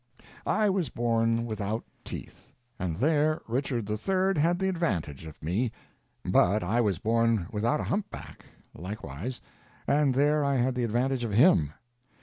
I was born without teeth and there Richard III. had the advantage of me; but I was born without a humpback, likewise, and there I had the advantage of him.